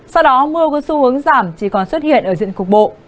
sau đó mưa có xu hướng giảm chỉ còn xuất hiện ở diện cục bộ